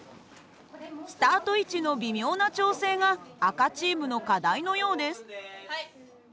スタート位置の微妙な調整が赤チームの課題のようです。